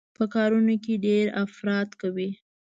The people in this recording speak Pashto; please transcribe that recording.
په کارونو کې يې ډېر افراط کوي.